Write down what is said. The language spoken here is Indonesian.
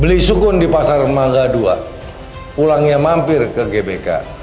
beli sukun di pasar mangga ii pulangnya mampir ke gbk